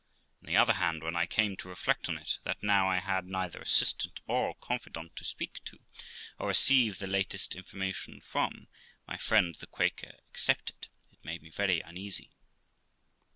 On the other hand, when I came to reflect on it, that now I had neither assistant or confidant to speak to, or receive the least information from, my friend the Quaker excepted, it made me very uneasy.